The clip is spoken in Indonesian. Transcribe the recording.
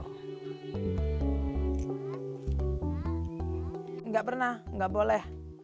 enggak pernah enggak boleh